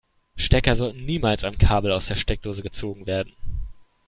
Stecker sollten niemals am Kabel aus der Steckdose gezogen werden.